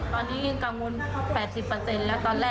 ตอนนี้กับงวลแปดสิบเปอร์เซ็นต์แล้ว